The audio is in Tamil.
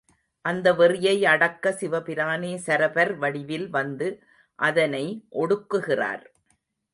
அந்த வெறியை அடக்க சிவபிரானே சரபர் வடிவில் வந்து அதனை ஒடுக்குகிறார்.